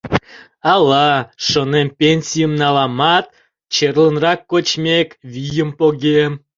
Ала, шонем, пенсийым наламат, черлынрак кочмек, вийым погем.